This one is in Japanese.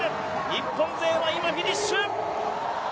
日本勢は今、フィニッシュ。